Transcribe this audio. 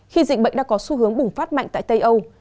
khi dịch bệnh đang có xu hướng bùng phát mạnh tại tây âu